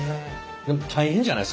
でも大変じゃないですか？